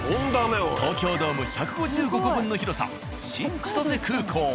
東京ドーム１５５個分の広さ新千歳空港。